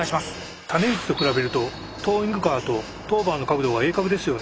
種市と比べるとトーイングカーとトーバーの角度が鋭角ですよね。